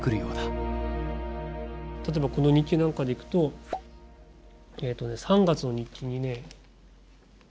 例えばこの日記なんかでいくとえとね３月の日記にね。